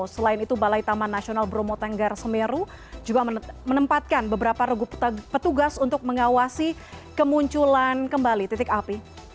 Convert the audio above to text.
selain itu balai taman nasional bromo tenggar semeru juga menempatkan beberapa regu petugas untuk mengawasi kemunculan kembali titik api